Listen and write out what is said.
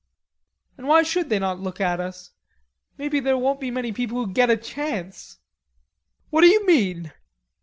"And why should they not look at us? Maybe there won't be many people who get a chance." "What do you mean?"